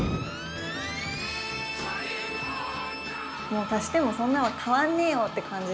もう足してもそんな変わんねえよって感じですかね？